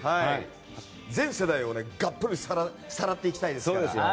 全世代をがっぽりさらっていきたいですから。